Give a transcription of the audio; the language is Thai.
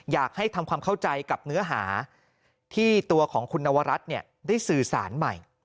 อยากให้ทำความเข้าใจกับเนื้อหาที่ตัวของคุณนวรัฐได้สื่อสารใหม่